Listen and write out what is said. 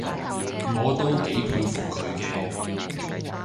我都幾佩服佢嘅